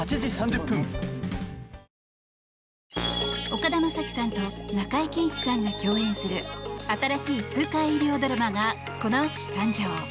岡田将生さんと中井貴一さんが共演する新しい痛快医療ドラマがこの秋誕生。